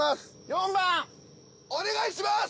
４番お願いします